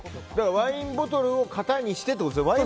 ワインボトルを型にしてってことですよね。